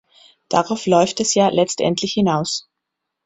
Darauf läuft es ja letztendlich hinaus.